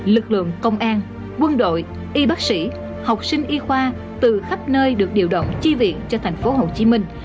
lực lượng công an quân đội y bác sĩ học sinh y khoa từ khắp nơi được điều động chi viện cho thành phố hồ chí minh